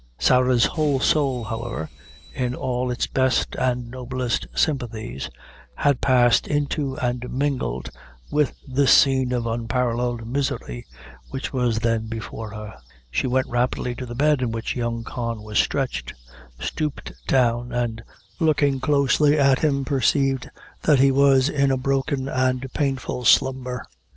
Sarah's whole soul, however, in all its best and noblest sympathies, had passed into and mingled with the scene of unparalleled misery which was then before her. She went rapidly to the bed in which young Con was I stretched; stooped down, and looking closely at him, perceived that he was in a broken and painful slumber.